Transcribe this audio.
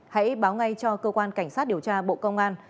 hãy báo ngay cho cơ quan cảnh sát điều tra bộ công an